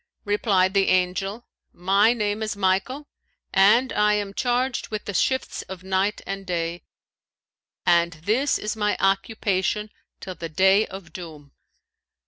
Replied the Angel, 'My name is Michael, and I am charged with the shifts of night and day; and this is my occupation till the Day of Doom.'